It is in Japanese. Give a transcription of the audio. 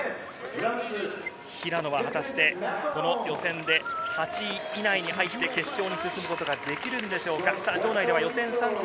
平野は果たして予選で８位以内に入って決勝に進むことができるでしょうか。